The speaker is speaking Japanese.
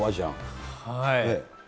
はい。